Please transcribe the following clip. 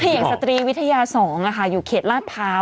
อย่างสตรีวิทยา๒อยู่เขตลาดพร้าว